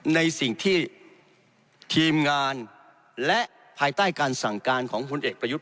ในสิ่งที่ทีมงานและภายใต้การสั่งการของพลเอกประยุทธ์